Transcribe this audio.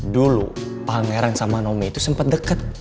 dulu pangeran sama nomi itu sempat deket